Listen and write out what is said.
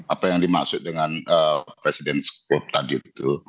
apa yang dimaksud dengan presiden group tadi itu